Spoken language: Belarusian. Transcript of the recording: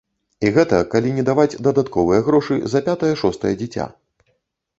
І гэта калі не даваць дадатковыя грошы за пятае-шостае дзіця.